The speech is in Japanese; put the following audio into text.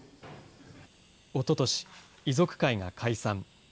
おととし、遺族会が解散。